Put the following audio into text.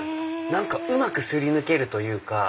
うまく擦り抜けるというか。